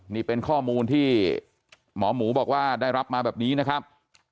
นี่เป็นข้อมูลที่หมอหมูบอกว่าได้รับมาแบบนี้นะครับ